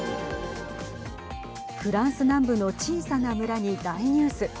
フランス南部の小さな村に大ニュース。